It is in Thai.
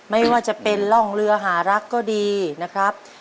ไม่ว่าจะเป็นร่องเรือหารักก็ดีนะครับ